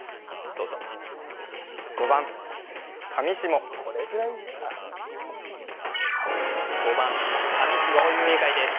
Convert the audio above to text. どうぞこれぐらいじゃあ５番かみしも正解です